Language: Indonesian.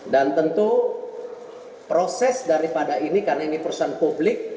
dan tentu proses daripada ini karena ini perusahaan publik